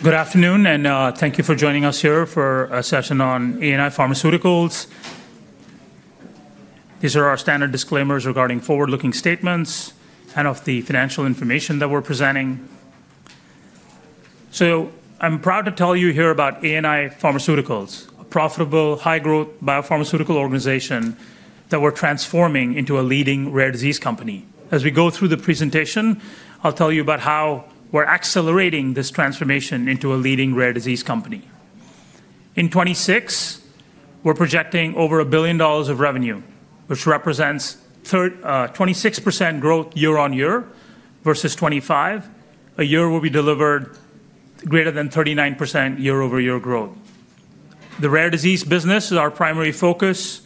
Good afternoon, and thank you for joining us here for a session on ANI Pharmaceuticals. These are our standard disclaimers regarding forward-looking statements and of the financial information that we're presenting. So I'm proud to tell you here about ANI Pharmaceuticals, a profitable, high-growth biopharmaceutical organization that we're transforming into a leading rare disease company. As we go through the presentation, I'll tell you about how we're accelerating this transformation into a leading rare disease company. In 2026, we're projecting over $1 billion of revenue, which represents 26% growth year on year versus 2025. 2026 will be delivered greater than 39% year-over-year growth. The rare disease business is our primary focus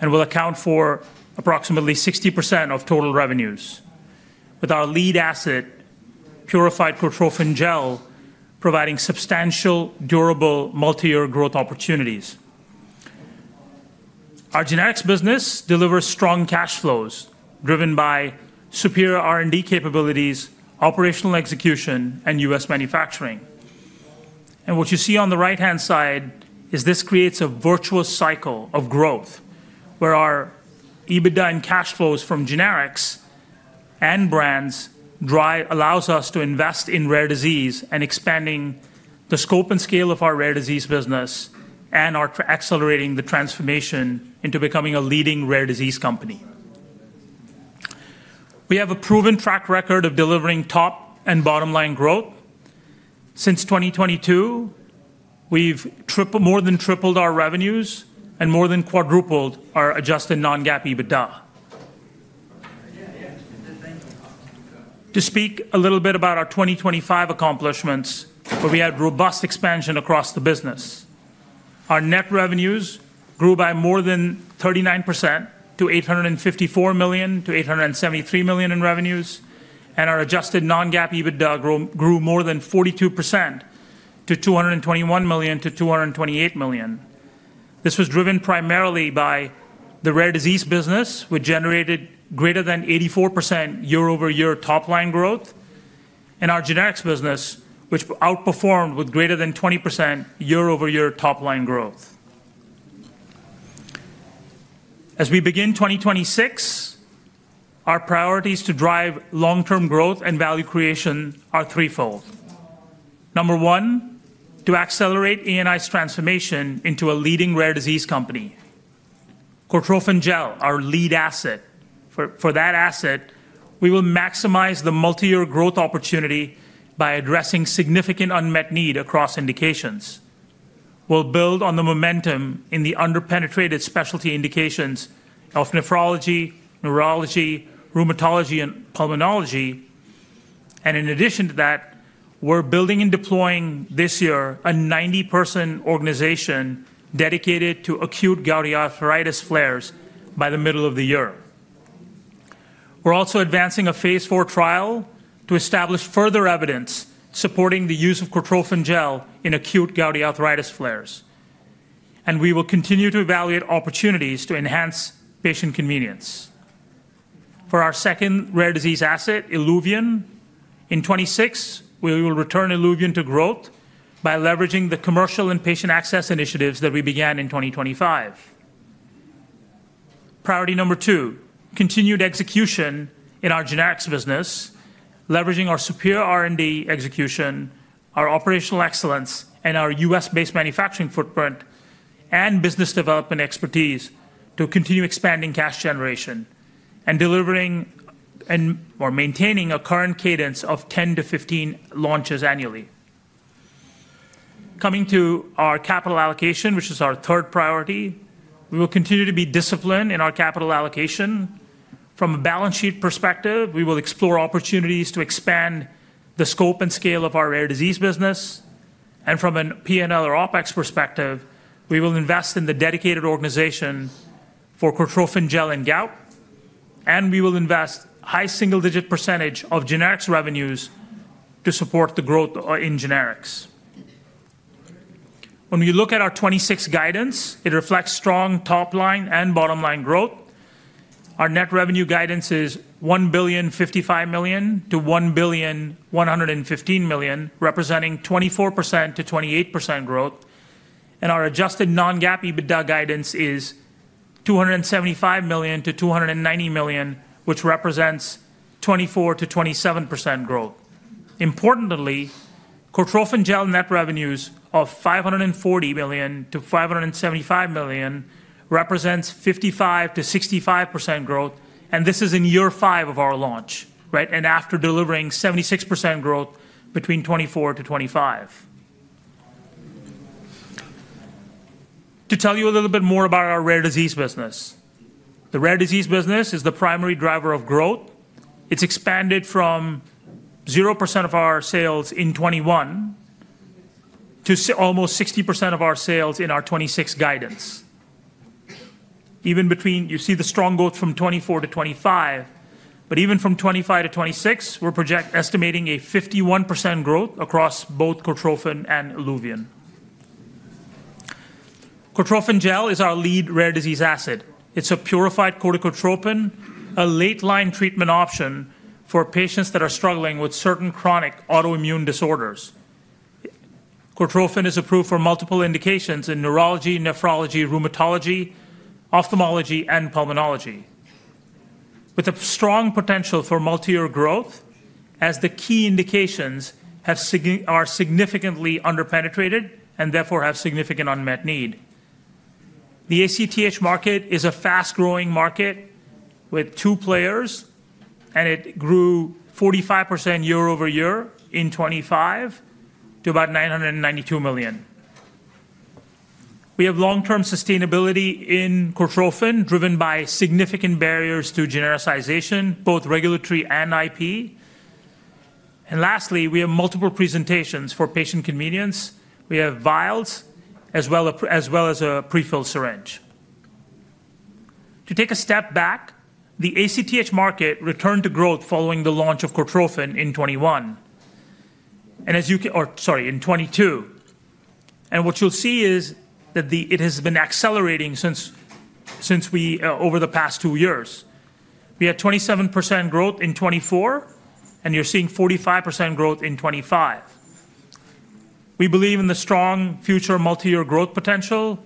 and will account for approximately 60% of total revenues, with our lead asset, Purified Cortrophin Gel, providing substantial, durable multi-year growth opportunities. Our generics business delivers strong cash flows driven by superior R&D capabilities, operational execution, and U.S. manufacturing. And what you see on the right-hand side is this creates a virtuous cycle of growth where our EBITDA and cash flows from generics and brands allow us to invest in rare disease and expanding the scope and scale of our rare disease business and are accelerating the transformation into becoming a leading rare disease company. We have a proven track record of delivering top and bottom-line growth. Since 2022, we've more than tripled our revenues and more than quadrupled our adjusted non-GAAP EBITDA. To speak a little bit about our 2025 accomplishments, where we had robust expansion across the business. Our net revenues grew by more than 39% to $854 million-$873 million in revenues, and our adjusted non-GAAP EBITDA grew more than 42% to $221 million-$228 million. This was driven primarily by the rare disease business, which generated greater than 84% year-over-year top-line growth, and our generics business, which outperformed with greater than 20% year-over-year top-line growth. As we begin 2026, our priorities to drive long-term growth and value creation are threefold. Number one, to accelerate ANI's transformation into a leading rare disease company. Purified Cortrophin Gel, our lead asset. For that asset, we will maximize the multi-year growth opportunity by addressing significant unmet need across indications. We'll build on the momentum in the under-penetrated specialty indications of nephrology, neurology, rheumatology, and pulmonology, and in addition to that, we're building and deploying this year a 90-person organization dedicated to acute gouty arthritis flares by the middle of the year. We're also advancing a phase four trial to establish further evidence supporting the use of Purified Cortrophin Gel in acute gouty arthritis flares. And we will continue to evaluate opportunities to enhance patient convenience. For our second rare disease asset, Iluvien, in 2026, we will return Iluvien to growth by leveraging the commercial and patient access initiatives that we began in 2025. Priority number two, continued execution in our generics business, leveraging our superior R&D execution, our operational excellence, and our U.S.-based manufacturing footprint and business development expertise to continue expanding cash generation and delivering and/or maintaining a current cadence of 10-15 launches annually. Coming to our capital allocation, which is our third priority, we will continue to be disciplined in our capital allocation. From a balance sheet perspective, we will explore opportunities to expand the scope and scale of our rare disease business. From a P&L or OpEx perspective, we will invest in the dedicated organization for Cortrophin Gel and gout, and we will invest a high single-digit % of generics revenues to support the growth in generics. When we look at our 2026 guidance, it reflects strong top-line and bottom-line growth. Our net revenue guidance is $1,055-$1,115 million, representing 24%-28% growth. Our adjusted non-GAAP EBITDA guidance is $275-$290 million, which represents 24%-27% growth. Importantly, Cortrophin Gel net revenues of $540-$575 million represent 55%-65% growth, and this is in year five of our launch, right, and after delivering 76% growth between 2024 and 2025. To tell you a little bit more about our rare disease business. The rare disease business is the primary driver of growth. It's expanded from 0% of our sales in 2021 to almost 60% of our sales in our 2026 guidance. Even between, you see the strong growth from 2024 to 2025, but even from 2025 to 2026, we're estimating a 51% growth across both Cortrophin and Iluvien. Cortrophin gel is our lead rare disease asset. It's a purified corticotropin, a late-line treatment option for patients that are struggling with certain chronic autoimmune disorders. Cortrophin is approved for multiple indications in neurology, nephrology, rheumatology, ophthalmology, and pulmonology, with a strong potential for multi-year growth as the key indications are significantly under-penetrated and therefore have significant unmet need. The ACTH market is a fast-growing market with two players, and it grew 45% year-over-year in 2025 to about $992 million. We have long-term sustainability in Cortrophin driven by significant barriers to genericization, both regulatory and IP. And lastly, we have multiple presentations for patient convenience. We have vials as well as a prefill syringe. To take a step back, the ACTH market returned to growth following the launch of Purified Cortrophin Gel in 2021, and as you can, or sorry, in 2022. And what you'll see is that it has been accelerating since we, over the past two years, we had 27% growth in 2024, and you're seeing 45% growth in 2025. We believe in the strong future multi-year growth potential,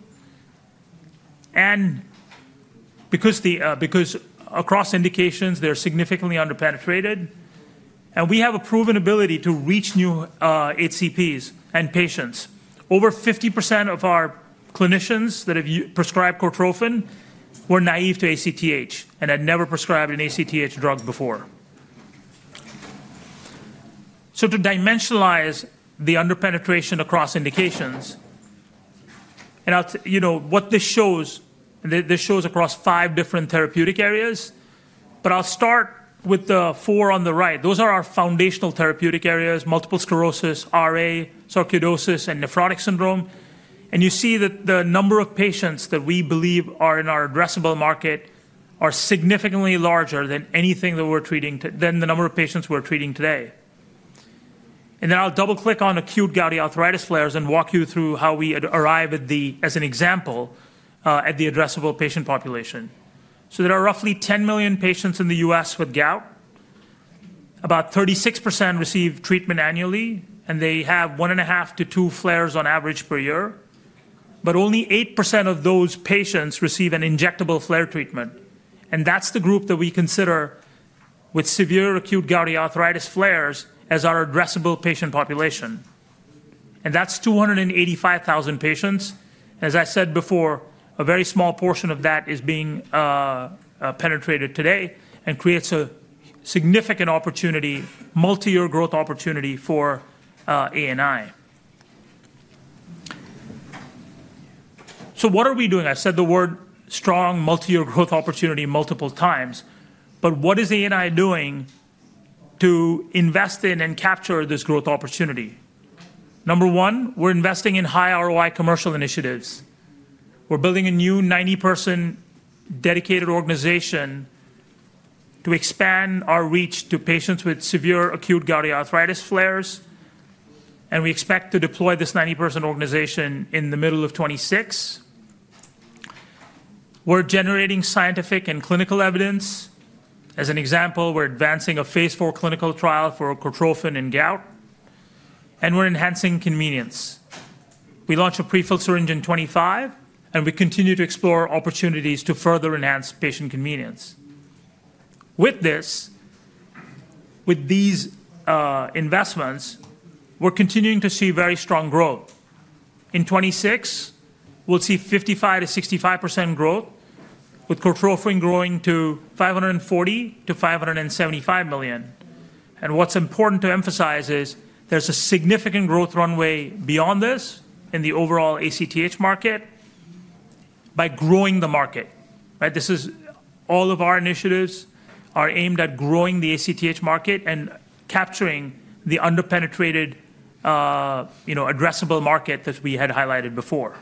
and because across indications, they're significantly under-penetrated, and we have a proven ability to reach new HCPs and patients. Over 50% of our clinicians that have prescribed Purified Cortrophin Gel were naive to ACTH and had never prescribed an ACTH drug before. So to dimensionalize the under-penetration across indications, and what this shows, this shows across five different therapeutic areas, but I'll start with the four on the right. Those are our foundational therapeutic areas: multiple sclerosis, RA, sarcoidosis, and nephrotic syndrome, and you see that the number of patients that we believe are in our addressable market are significantly larger than anything that we're treating, than the number of patients we're treating today, and then I'll double-click on acute gouty arthritis flares and walk you through how we arrive at the, as an example, at the addressable patient population, so there are roughly 10 million patients in the U.S. with gout. About 36% receive treatment annually, and they have one and a half to two flares on average per year, but only 8% of those patients receive an injectable flare treatment, and that's the group that we consider with severe acute gouty arthritis flares as our addressable patient population, and that's 285,000 patients. As I said before, a very small portion of that is being penetrated today and creates a significant opportunity, multi-year growth opportunity for ANI. So what are we doing? I said the word strong multi-year growth opportunity multiple times, but what is ANI doing to invest in and capture this growth opportunity? Number one, we're investing in high ROI commercial initiatives. We're building a new 90-person dedicated organization to expand our reach to patients with severe acute gouty arthritis flares, and we expect to deploy this 90-person organization in the middle of 2026. We're generating scientific and clinical evidence. As an example, we're advancing a phase 4 clinical trial for Cortrophin and gout, and we're enhancing convenience. We launched a prefilled syringe in 2025, and we continue to explore opportunities to further enhance patient convenience. With this, with these investments, we're continuing to see very strong growth. In 2026, we'll see 55%-65% growth, with Purified Cortrophin Gel growing to $540 million-$575 million. What's important to emphasize is there's a significant growth runway beyond this in the overall ACTH market by growing the market, right? This is all of our initiatives are aimed at growing the ACTH market and capturing the under-penetrated addressable market that we had highlighted before.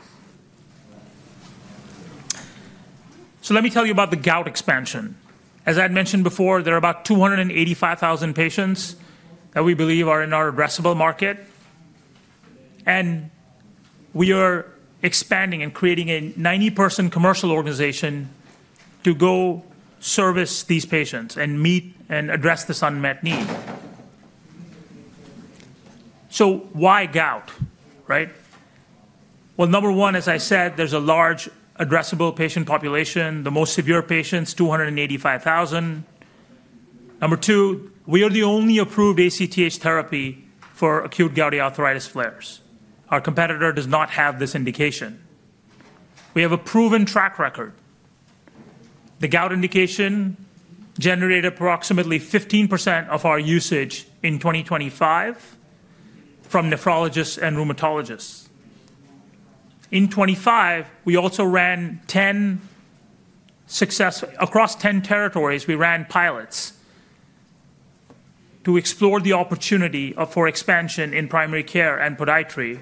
Let me tell you about the gout expansion. As I had mentioned before, there are about 285,000 patients that we believe are in our addressable market, and we are expanding and creating a 90-person commercial organization to go service these patients and meet and address this unmet need. Why gout, right? Number one, as I said, there's a large addressable patient population. The most severe patients, 285,000. Number two, we are the only approved ACTH therapy for acute gouty arthritis flares. Our competitor does not have this indication. We have a proven track record. The gout indication generated approximately 15% of our usage in 2025 from nephrologists and rheumatologists. In 2025, we also ran 10 successful pilots across 10 territories to explore the opportunity for expansion in primary care and podiatry,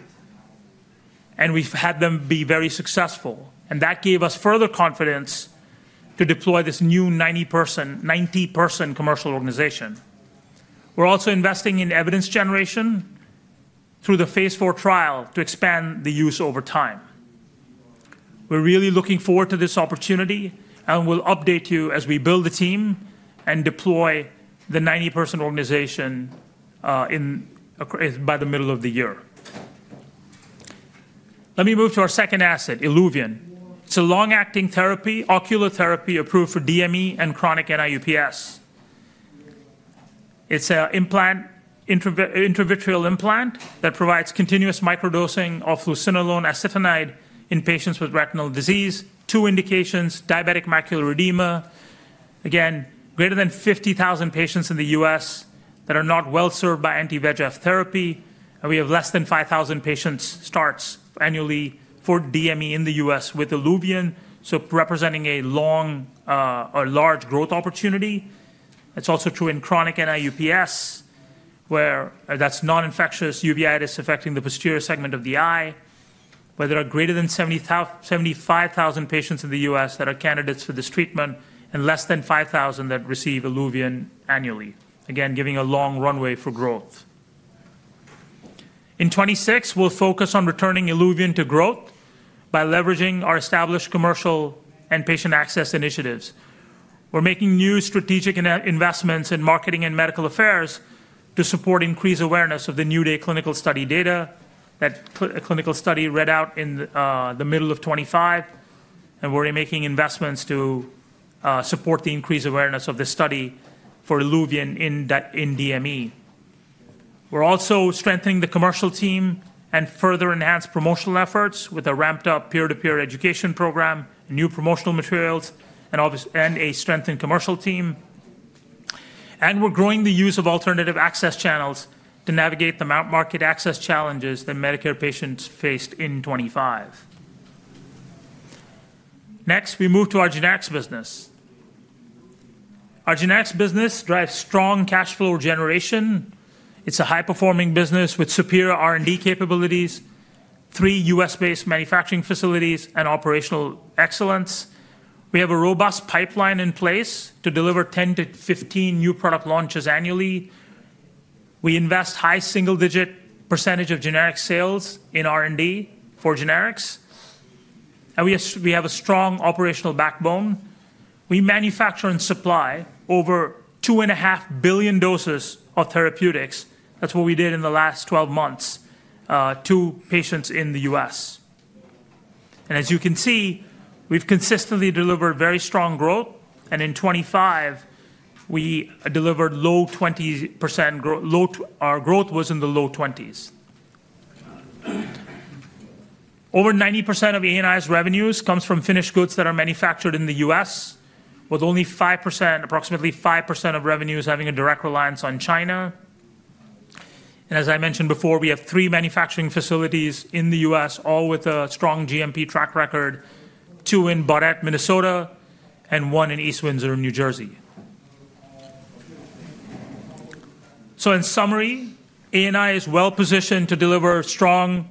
and we've had them be very successful. And that gave us further confidence to deploy this new 90-person commercial organization. We're also investing in evidence generation through the phase four trial to expand the use over time. We're really looking forward to this opportunity, and we'll update you as we build the team and deploy the 90-person organization by the middle of the year. Let me move to our second asset, Iluvien. It's a long-acting therapy, ocular therapy approved for DME and chronic NIU-PS. It's an intravitreal implant that provides continuous microdosing of fluocinolone acetonide in patients with retinal disease, two indications, diabetic macular edema. Again, greater than 50,000 patients in the U.S. that are not well served by anti-VEGF therapy, and we have less than 5,000 patients starts annually for DME in the U.S. with Iluvien, so representing a long or large growth opportunity. It's also true in chronic NIU-PS, where that's non-infectious uveitis affecting the posterior segment of the eye, where there are greater than 75,000 patients in the U.S. that are candidates for this treatment and less than 5,000 that receive Iluvien annually, again, giving a long runway for growth. In 2026, we'll focus on returning Iluvien to growth by leveraging our established commercial and patient access initiatives. We're making new strategic investments in marketing and medical affairs to support increased awareness of the New Day clinical study data that a clinical study read out in the middle of 2025, and we're making investments to support the increased awareness of this study for Iluvien in DME. We're also strengthening the commercial team and further enhanced promotional efforts with a ramped-up peer-to-peer education program, new promotional materials, and a strengthened commercial team. And we're growing the use of alternative access channels to navigate the market access challenges that Medicare patients faced in 2025. Next, we move to our generics business. Our generics business drives strong cash flow generation. It's a high-performing business with superior R&D capabilities, three U.S.-based manufacturing facilities, and operational excellence. We have a robust pipeline in place to deliver 10 to 15 new product launches annually. We invest high single-digit % of generic sales in R&D for generics, and we have a strong operational backbone. We manufacture and supply over two and a half billion doses of therapeutics. That's what we did in the last 12 months, two plants in the U.S. And as you can see, we've consistently delivered very strong growth, and in 2025, we delivered low 20% growth. Our growth was in the low 20s. Over 90% of ANI's revenues comes from finished goods that are manufactured in the U.S., with only 5%, approximately 5% of revenues having a direct reliance on China. And as I mentioned before, we have three manufacturing facilities in the U.S., all with a strong GMP track record, two in Baudette, Minnesota, and one in East Windsor, New Jersey. So in summary, ANI is well positioned to deliver strong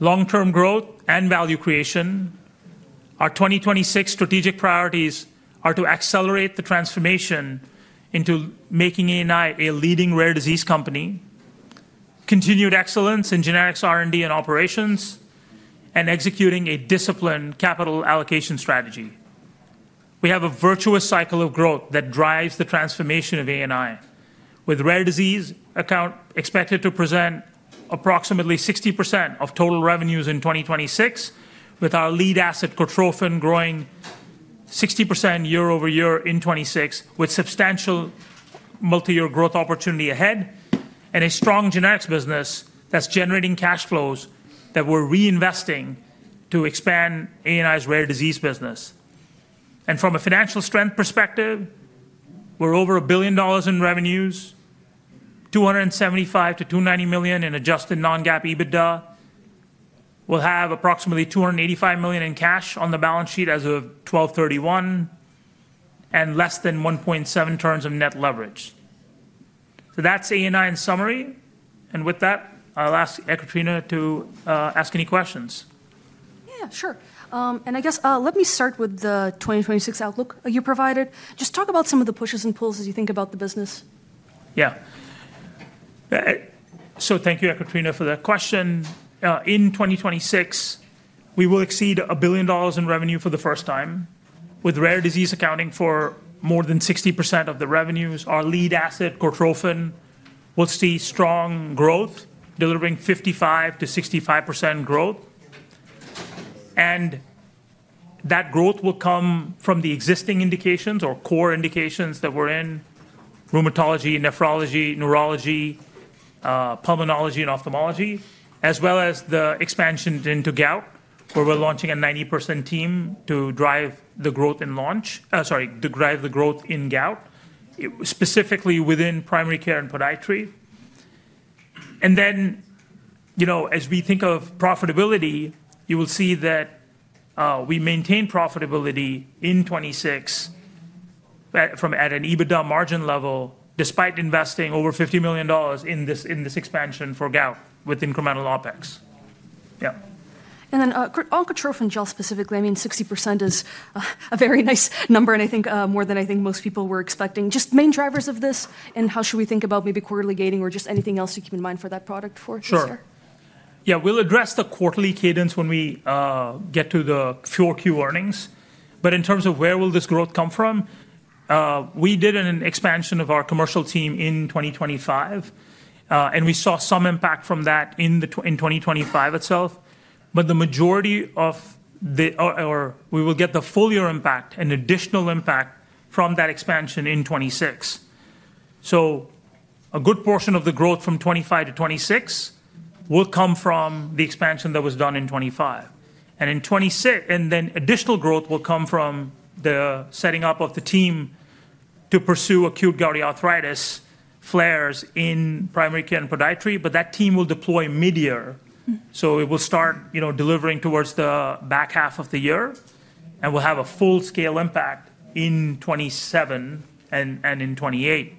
long-term growth and value creation. Our 2026 strategic priorities are to accelerate the transformation into making ANI a leading rare disease company, continued excellence in generics, R&D, and operations, and executing a disciplined capital allocation strategy. We have a virtuous cycle of growth that drives the transformation of ANI, with rare disease business expected to represent approximately 60% of total revenues in 2026, with our lead asset Purified Cortrophin Gel growing 60% year-over-year in 2026, with substantial multi-year growth opportunity ahead, and a strong generics business that's generating cash flows that we're reinvesting to expand ANI's rare disease business. And from a financial strength perspective, we're over $1 billion in revenues, $275 million-$290 million in adjusted non-GAAP EBITDA. We'll have approximately $285 million in cash on the balance sheet as of 12/31 and less than 1.7 times net leverage. So that's ANI in summary, and with that, I'll ask Ekaterina to ask any questions. Yeah, sure. And I guess let me start with the 2026 outlook you provided. Just talk about some of the pushes and pulls as you think about the business. Yeah. So thank you, Ekaterina, for that question. In 2026, we will exceed $1 billion in revenue for the first time, with rare disease accounting for more than 60% of the revenues. Our lead asset, Purified Cortrophin Gel, will see strong growth, delivering 55%-65% growth. And that growth will come from the existing indications or core indications that we're in: rheumatology, nephrology, neurology, pulmonology, and ophthalmology, as well as the expansion into gout, where we're launching a go-to-market team to drive the growth in launch, sorry, to drive the growth in gout, specifically within primary care and podiatry. And then, as we think of profitability, you will see that we maintain profitability in 2026 from at an EBITDA margin level, despite investing over $50 million in this expansion for gout with incremental OpEx. Yeah. And then on Cortrophin Gel specifically, I mean, 60% is a very nice number, and I think more than I think most people were expecting. Just main drivers of this and how should we think about maybe quarterly gating or just anything else to keep in mind for that product for sure? Yeah, we'll address the quarterly cadence when we get to the full-year earnings, but in terms of where will this growth come from, we did an expansion of our commercial team in 2025, and we saw some impact from that in 2025 itself, but the majority of the, or we will get the full year impact and additional impact from that expansion in 2026. So a good portion of the growth from 2025 to 2026 will come from the expansion that was done in 2025. And then additional growth will come from the setting up of the team to pursue acute gouty arthritis flares in primary care and podiatry, but that team will deploy mid-year. So it will start delivering towards the back half of the year, and we'll have a full-scale impact in 2027 and in 2028.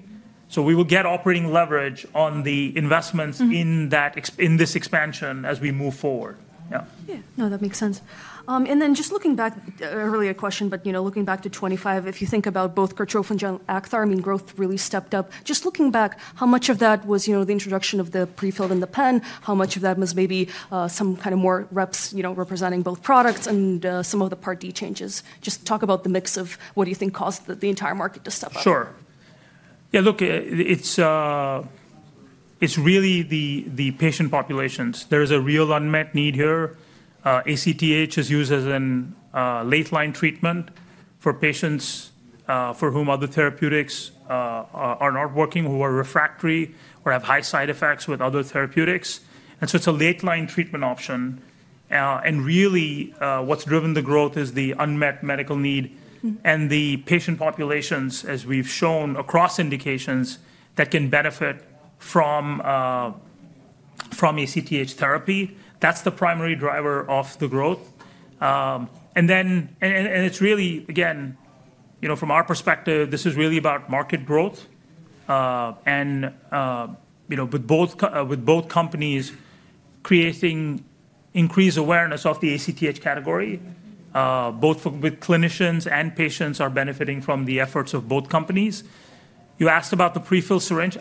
So we will get operating leverage on the investments in this expansion as we move forward. Yeah. Yeah. No, that makes sense. And then just looking back, earlier question, but looking back to 2025, if you think about both Cortrophin gel and Acthar, I mean, growth really stepped up. Just looking back, how much of that was the introduction of the prefilled and the pen? How much of that was maybe some kind of more reps representing both products and some of the Part D changes? Just talk about the mix of what do you think caused the entire market to step up. Sure. Yeah, look, it's really the patient populations. There is a real unmet need here. ACTH is used as a late-line treatment for patients for whom other therapeutics are not working, who are refractory or have high side effects with other therapeutics. It's a late-line treatment option. Really, what's driven the growth is the unmet medical need and the patient populations, as we've shown across indications that can benefit from ACTH therapy. That's the primary driver of the growth. It's really, again, from our perspective, this is really about market growth and with both companies creating increased awareness of the ACTH category, both with clinicians and patients are benefiting from the efforts of both companies. You asked about the prefilled syringe.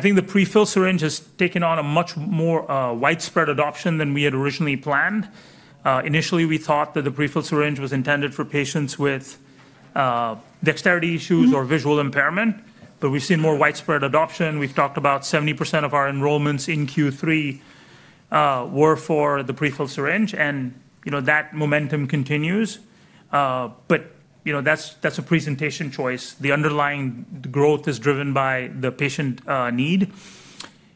I think the prefilled syringe has taken on a much more widespread adoption than we had originally planned. Initially, we thought that the prefilled syringe was intended for patients with dexterity issues or visual impairment, but we've seen more widespread adoption. We've talked about 70% of our enrollments in Q3 were for the prefilled syringe, and that momentum continues. But that's a presentation choice. The underlying growth is driven by the patient need,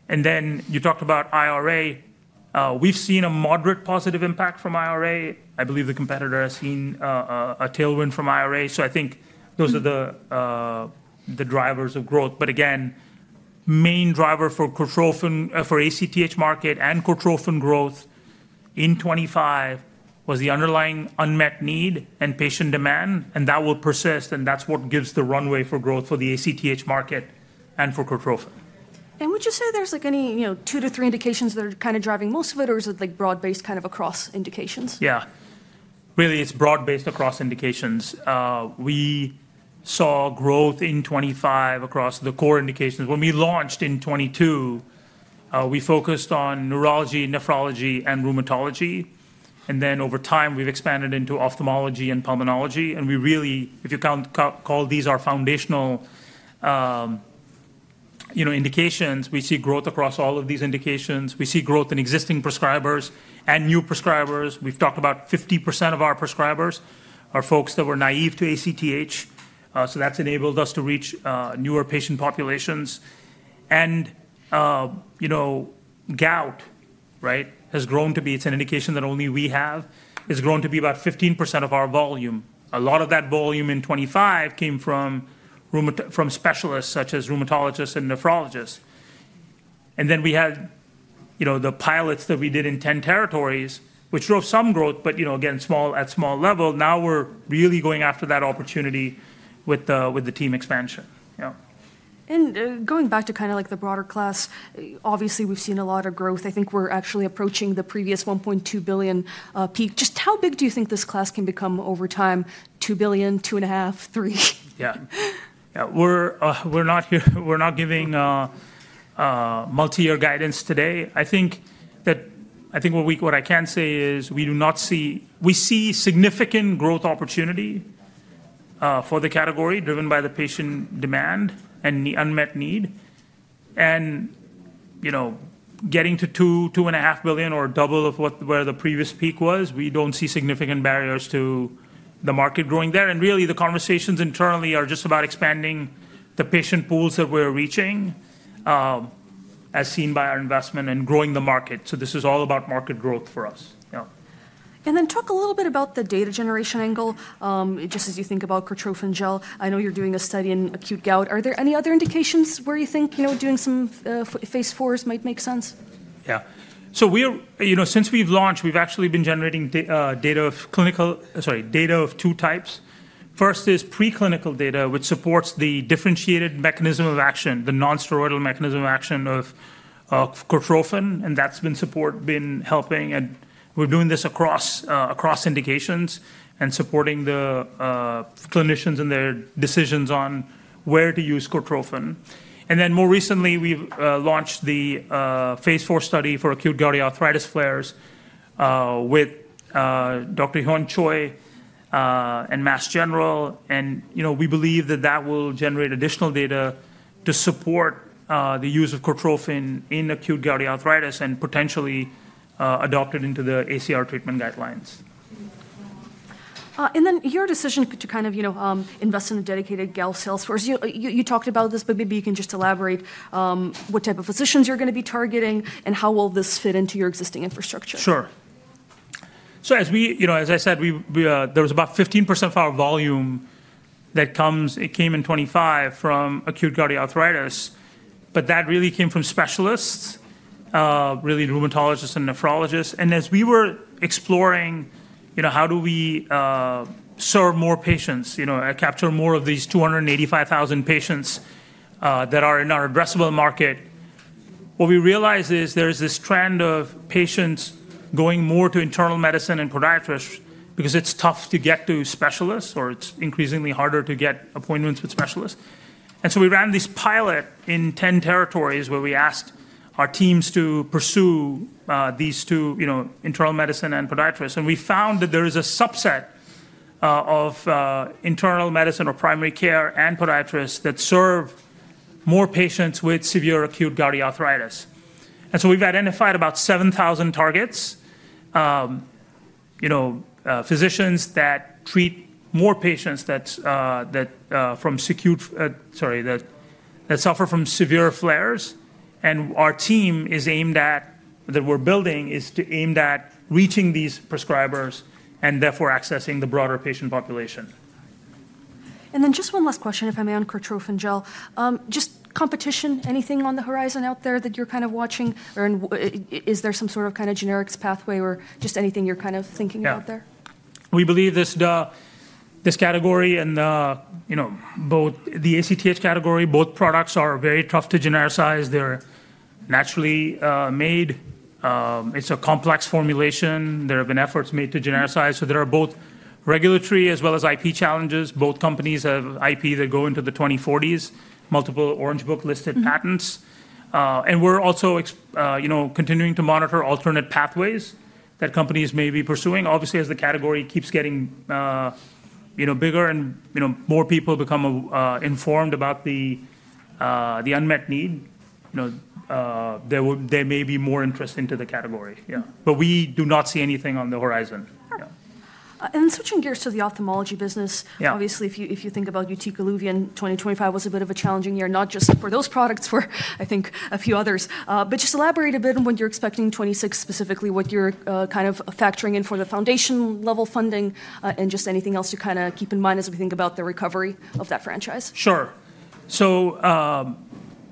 and then you talked about IRA. We've seen a moderate positive impact from IRA. I believe the competitor has seen a tailwind from IRA. So I think those are the drivers of growth, but again, main driver for Cortrophin for ACTH market and Cortrophin growth in 2025 was the underlying unmet need and patient demand, and that will persist, and that's what gives the runway for growth for the ACTH market and for Cortrophin. And would you say there's any two to three indications that are kind of driving most of it, or is it broad-based kind of across indications? Yeah. Really, it's broad-based across indications. We saw growth in 2025 across the core indications. When we launched in 2022, we focused on neurology, nephrology, and rheumatology, and then over time, we've expanded into ophthalmology and pulmonology. We really, if you call these our foundational indications, we see growth across all of these indications. We see growth in existing prescribers and new prescribers. We've talked about 50% of our prescribers are folks that were naive to ACTH, so that's enabled us to reach newer patient populations. And gout, right, has grown to be, it's an indication that only we have, about 15% of our volume. A lot of that volume in 2025 came from specialists such as rheumatologists and nephrologists. And then we had the pilots that we did in 10 territories, which drove some growth, but again, at small level. Now we're really going after that opportunity with the team expansion. Yeah. And going back to kind of the broader class, obviously we've seen a lot of growth. I think we're actually approaching the previous $1.2 billion peak. Just how big do you think this class can become over time? $2 billion, $2.5 billion, $3 billion? Yeah. Yeah. We're not giving multi-year guidance today. I think what I can say is we do not see. We see significant growth opportunity for the category driven by the patient demand and the unmet need. Getting to $2-$2.5 billion or double of where the previous peak was, we don't see significant barriers to the market growing there. Really, the conversations internally are just about expanding the patient pools that we're reaching, as seen by our investment and growing the market. So this is all about market growth for us. Yeah. And then talk a little bit about the data generation angle, just as you think about Cortrophin gel. I know you're doing a study in acute gout. Are there any other indications where you think doing some phase fours might make sense? Yeah. So since we've launched, we've actually been generating data of two types. First is preclinical data, which supports the differentiated mechanism of action, the non-steroidal mechanism of action of Cortrophin, and that's been helping. And we're doing this across indications and supporting the clinicians and their decisions on where to use Cortrophin. And then more recently, we launched the phase four study for acute gouty arthritis flares with Dr. Hyon Choi and Mass General. And we believe that that will generate additional data to support the use of Cortrophin in acute gouty arthritis and potentially adopted into the ACR treatment guidelines. And then your decision to kind of invest in a dedicated gel sales force, you talked about this, but maybe you can just elaborate what type of physicians you're going to be targeting and how will this fit into your existing infrastructure? Sure. So as I said, there was about 15% of our volume that came in 2025 from acute gouty arthritis, but that really came from specialists, really rheumatologists and nephrologists. And as we were exploring how do we serve more patients, capture more of these 285,000 patients that are in our addressable market, what we realized is there is this trend of patients going more to internal medicine and podiatrists because it's tough to get to specialists or it's increasingly harder to get appointments with specialists. And so we ran this pilot in 10 territories where we asked our teams to pursue these two: internal medicine and podiatrists. And we found that there is a subset of internal medicine or primary care and podiatrists that serve more patients with severe acute gouty arthritis. And so we've identified about 7,000 targets, physicians that treat more patients that suffer from severe flares. And our team is aimed at—that we're building is to aim at reaching these prescribers and therefore accessing the broader patient population. And then just one last question, if I may, on Cortrophin gel. Just competition, anything on the horizon out there that you're kind of watching, or is there some sort of kind of generics pathway or just anything you're kind of thinking about there? Yeah. We believe this category and both the ACTH category, both products are very tough to genericize. They're naturally made. It's a complex formulation. There have been efforts made to genericize. So there are both regulatory as well as IP challenges. Both companies have IP that go into the 2040s, multiple Orange Book-listed patents. And we're also continuing to monitor alternate pathways that companies may be pursuing. Obviously, as the category keeps getting bigger and more people become informed about the unmet need, there may be more interest into the category. Yeah. But we do not see anything on the horizon. Yeah. And switching gears to the ophthalmology business, obviously, if you think about YUTIQ and Iluvien, 2025 was a bit of a challenging year, not just for those products, for I think a few others. But just elaborate a bit on what you're expecting 2026 specifically, what you're kind of factoring in for the foundation-level funding and just anything else to kind of keep in mind as we think about the recovery of that franchise. Sure.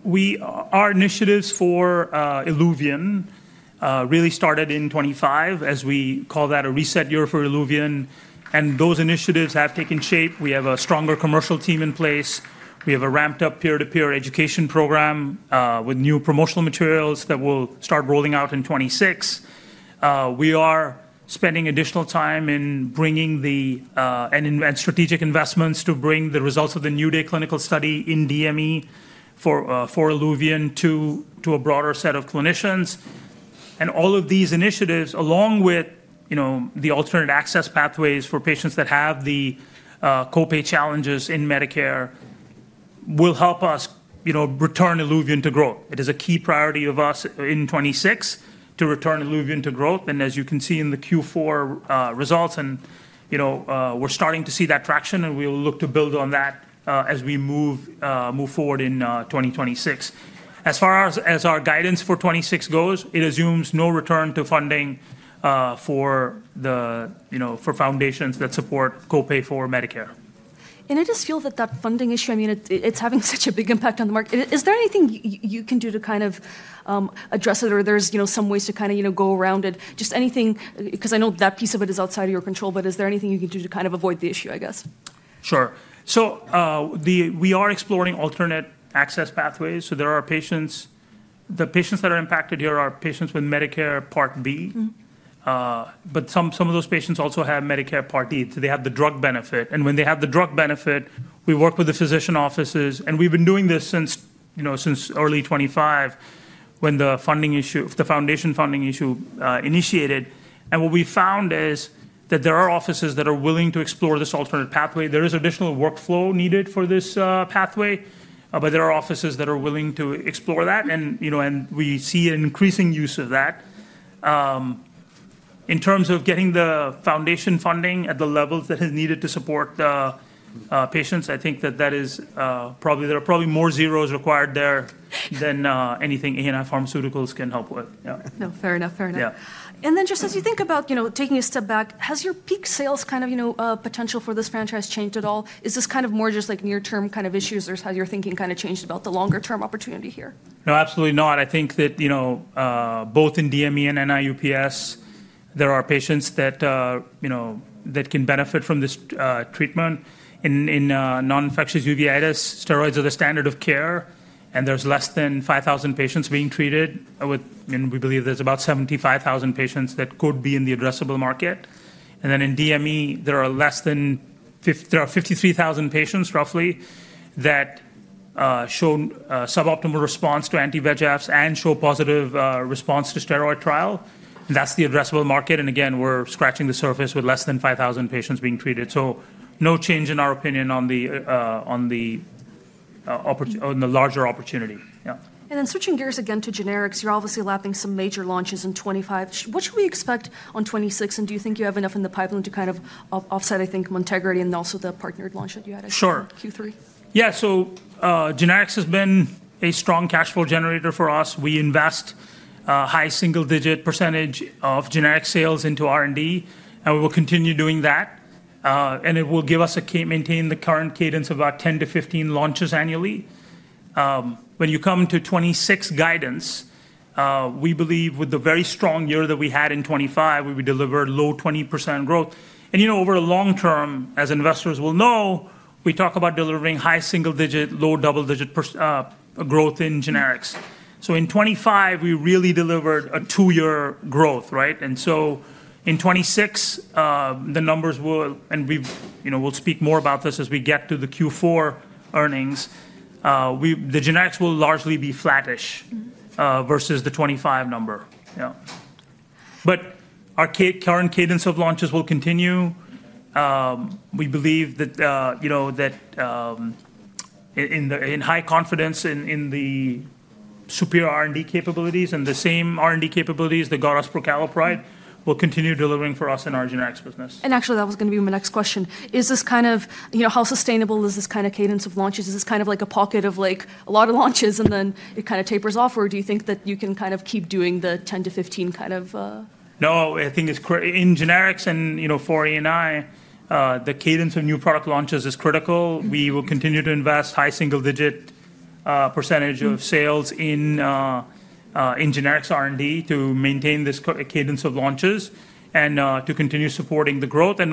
Our initiatives for Iluvien really started in 2025 as we call that a reset year for Iluvien. Those initiatives have taken shape. We have a stronger commercial team in place. We have a ramped-up peer-to-peer education program with new promotional materials that will start rolling out in 2026. We are spending additional time in bringing the strategic investments to bring the results of the New Day clinical study in DME for Iluvien to a broader set of clinicians. All of these initiatives, along with the alternate access pathways for patients that have the copay challenges in Medicare, will help us return Iluvien to growth. It is a key priority of us in 2026 to return Iluvien to growth. As you can see in the Q4 results, and we're starting to see that traction, and we'll look to build on that as we move forward in 2026. As far as our guidance for 2026 goes, it assumes no return to funding for foundations that support copay for Medicare. And I just feel that that funding issue, I mean, it's having such a big impact on the market. Is there anything you can do to kind of address it, or there's some ways to kind of go around it? Just anything, because I know that piece of it is outside of your control, but is there anything you can do to kind of avoid the issue, I guess? Sure. So we are exploring alternate access pathways. So there are patients. The patients that are impacted here are patients with Medicare Part B, but some of those patients also have Medicare Part D. So they have the drug benefit. And when they have the drug benefit, we work with the physician offices, and we've been doing this since early 2025 when the foundation funding issue initiated. And what we found is that there are offices that are willing to explore this alternate pathway. There is additional workflow needed for this pathway, but there are offices that are willing to explore that, and we see an increasing use of that. In terms of getting the foundation funding at the levels that are needed to support the patients, I think that that is probably. There are probably more zeros required there than anything ANI Pharmaceuticals can help with. Yeah. No, fair enough, fair enough. And then just as you think about taking a step back, has your peak sales kind of potential for this franchise changed at all? Is this kind of more just like near-term kind of issues, or has your thinking kind of changed about the longer-term opportunity here? No, absolutely not. I think that both in DME and NIU-PS, there are patients that can benefit from this treatment. In non-infectious uveitis, steroids are the standard of care, and there's less than 5,000 patients being treated. And we believe there's about 75,000 patients that could be in the addressable market. And then in DME, there are 53,000 patients, roughly, that show suboptimal response to anti-VEGFs and show positive response to steroid trial. That's the addressable market. And again, we're scratching the surface with less than 5,000 patients being treated. So no change in our opinion on the larger opportunity. Yeah. And then switching gears again to generics, you're obviously lapping some major launches in 2025. What should we expect on 2026, and do you think you have enough in the pipeline to kind of offset, I think, Motegrity and also the partnered launch that you had at Q3? Sure. Yeah. So generics has been a strong cash flow generator for us. We invest a high single-digit % of generic sales into R&D, and we will continue doing that. And it will give us to maintain the current cadence of about 10-15 launches annually. When you come to 2026 guidance, we believe with the very strong year that we had in 2025, we would deliver low 20% growth. And over the long term, as investors will know, we talk about delivering high single-digit, low double-digit % growth in generics. So in 2025, we really delivered a two-year growth, right? And so in 2026, the numbers will, and we'll speak more about this as we get to the Q4 earnings, the generics will largely be flattish versus the 2025 number. Yeah. But our current cadence of launches will continue. We believe that in high confidence in the superior R&D capabilities and the same R&D capabilities that got us prucalopride, we'll continue delivering for us in our generics business. And actually, that was going to be my next question. Is this kind of, how sustainable is this kind of cadence of launches? Is this kind of like a pocket of a lot of launches and then it kind of tapers off, or do you think that you can kind of keep doing the 10-15 kind of? No, I think it's, in generics and for ANI, the cadence of new product launches is critical. We will continue to invest high single-digit % of sales in generics R&D to maintain this cadence of launches and to continue supporting the growth. And,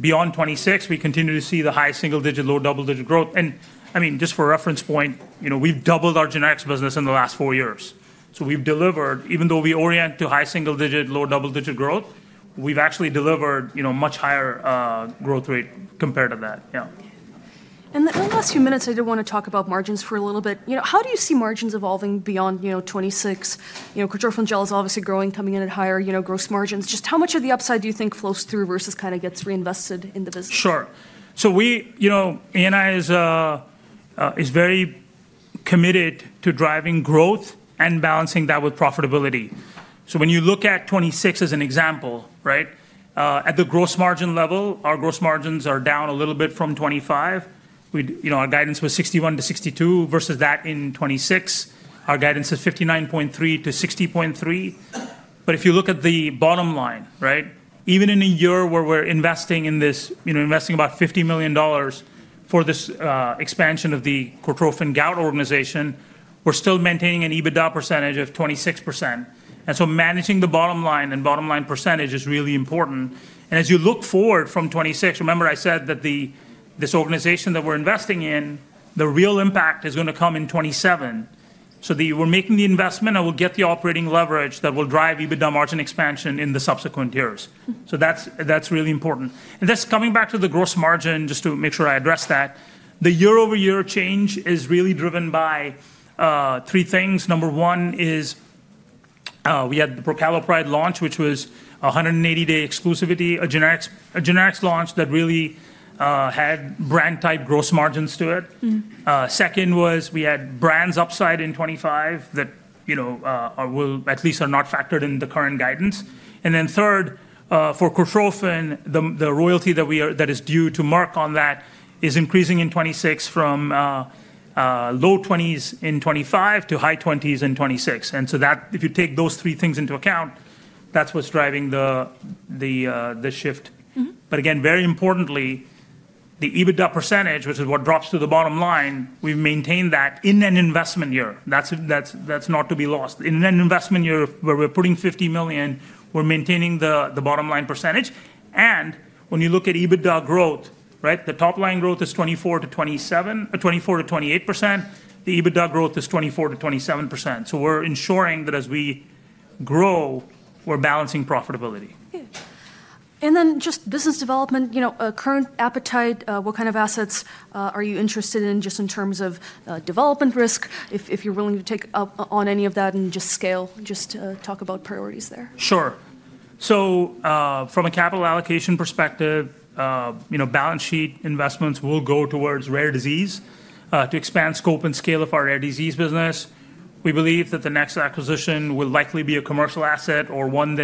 beyond 2026, we continue to see the high single-digit, low double-digit growth. And I mean, just for reference point, we've doubled our generics business in the last four years. So we've delivered, even though we orient to high single-digit, low double-digit growth, we've actually delivered much higher growth rate compared to that. Yeah. And in the last few minutes, I did want to talk about margins for a little bit. How do you see margins evolving beyond 2026? Cortrophin gel is obviously growing, coming in at higher gross margins. Just how much of the upside do you think flows through versus kind of gets reinvested in the business? Sure. So ANI is very committed to driving growth and balancing that with profitability. So when you look at 2026 as an example, right, at the gross margin level, our gross margins are down a little bit from 2025. Our guidance was 61%-62% versus that in 2026. Our guidance is 59.3%-60.3%. But if you look at the bottom line, right, even in a year where we're investing in this, investing about $50 million for this expansion of the Purified Cortrophin Gel gout organization, we're still maintaining an EBITDA percentage of 26%. And so managing the bottom line and bottom line percentage is really important. And as you look forward from 2026, remember I said that this organization that we're investing in, the real impact is going to come in 2027. So we're making the investment and we'll get the operating leverage that will drive EBITDA margin expansion in the subsequent years. So that's really important. And this coming back to the gross margin, just to make sure I address that, the year-over-year change is really driven by three things. Number one is we had the prucalopride launch, which was a 180-day exclusivity, a generics launch that really had brand-type gross margins to it. Second was we had brands upside in 2025 that will at least are not factored in the current guidance. And then third, for Cortrophin, the royalty that is due to Merck on that is increasing in 2026 from low 20s in 2025 to high 20s in 2026. And so if you take those three things into account, that's what's driving the shift. But again, very importantly, the EBITDA percentage, which is what drops to the bottom line, we've maintained that in an investment year. That's not to be lost. In an investment year where we're putting $50 million, we're maintaining the bottom line percentage. When you look at EBITDA growth, right, the top line growth is 24%-28%. The EBITDA growth is 24%-27%. We're ensuring that as we grow, we're balancing profitability. Then just business development, current appetite, what kind of assets are you interested in just in terms of development risk, if you're willing to take on any of that and just scale, just talk about priorities there? Sure. From a capital allocation perspective, balance sheet investments will go towards rare disease to expand scope and scale of our rare disease business. We believe that the next acquisition will likely be a commercial asset or one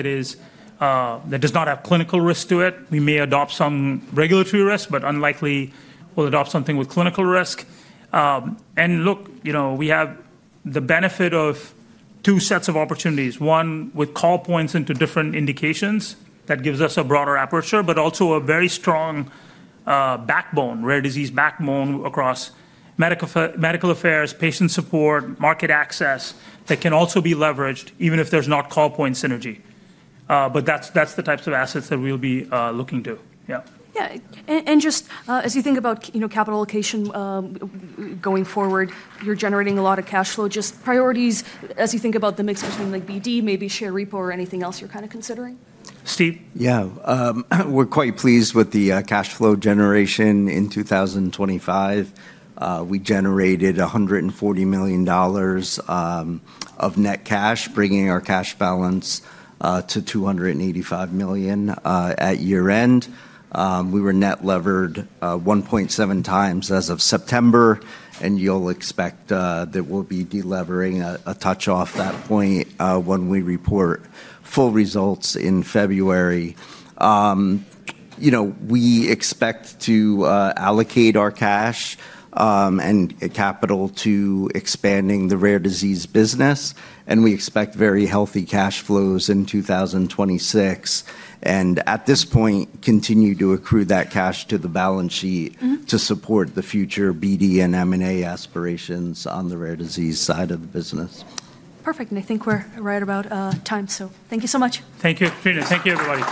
that does not have clinical risk to it. We may adopt some regulatory risk, but unlikely we'll adopt something with clinical risk. And look, we have the benefit of two sets of opportunities. One with call points into different indications that gives us a broader aperture, but also a very strong backbone, rare disease backbone across medical affairs, patient support, market access that can also be leveraged even if there's not call point synergy. But that's the types of assets that we'll be looking to. Yeah. Yeah. And just as you think about capital allocation going forward, you're generating a lot of cash flow. Just priorities, as you think about the mix between BD, maybe Share Repo or anything else you're kind of considering? Steve. Yeah. We're quite pleased with the cash flow generation in 2025. We generated $140 million of net cash, bringing our cash balance to $285 million at year-end. We were net levered 1.7 times as of September, and you'll expect that we'll be delevering a touch off that point when we report full results in February. We expect to allocate our cash and capital to expanding the rare disease business, and we expect very healthy cash flows in 2026. And at this point, continue to accrue that cash to the balance sheet to support the future BD and M&A aspirations on the rare disease side of the business. Perfect. And I think we're right about time. So thank you so much. Thank you. Thank you, everybody.